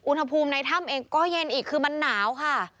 อุณหภูมิในถ้ำเองก็เย็นอีกคือมันหนาวค่ะ